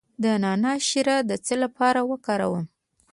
د نعناع شیره د څه لپاره وکاروم؟